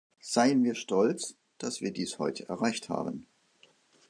Seien wir stolz, dass wir dies heute erreicht haben.